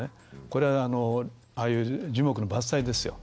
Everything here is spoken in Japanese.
これはああいう樹木の伐採ですよ。